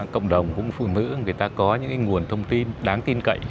cộng đồng của phụ nữ người ta có những nguồn thông tin đáng tin cậy